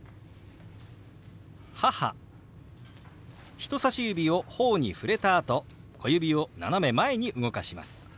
人さし指を頬に触れたあと小指を斜め前に動かします。